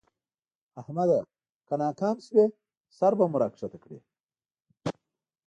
احمده! که ناکام شوې؛ سر به مو راکښته کړې.